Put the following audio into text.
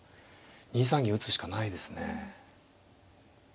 ２三銀打つしかないですね。